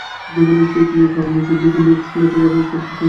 যেকোনো একটিতে ক্লিক করে নিচের দিকে নেক্সট লেখা বাটনে চাপতে হবে।